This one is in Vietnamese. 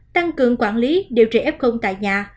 tăng cường quản lý điều trị f tại nhà